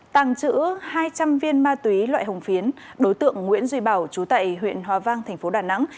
tàng chữ hai trăm linh viên ma túy loại hồng phiến đối tượng nguyễn duy bảo chú tại huyện hòa vang tp đà nẵng